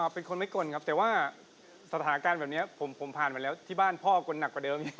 เป็นคนไม่กลครับแต่ว่าสถานการณ์แบบนี้ผมผ่านมาแล้วที่บ้านพ่อกลหนักกว่าเดิม